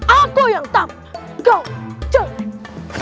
aku yang tampan kau jelek